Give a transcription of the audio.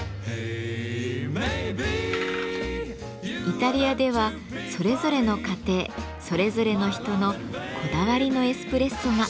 イタリアではそれぞれの家庭それぞれの人のこだわりのエスプレッソが。